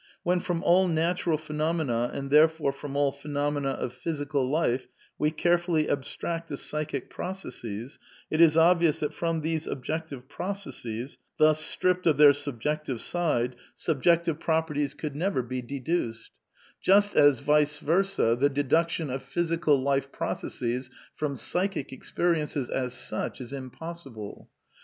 ... When from all natural phenomena, and there fore from all phenomena of physical life, we carefully abstract the psychic processes, it is obvious that from these objective processes, thus stripped of their subjective side, subjective prop SOME QUESTIONS OF PSYCHOLOGY 83 erties could never be deduced, just as, vice versa, the deduction of physical life processes from psychic experiences as such is impossible.